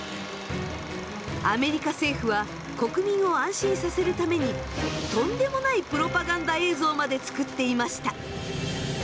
アメリカ政府は国民を安心させるためにとんでもないプロパガンダ映像まで作っていました。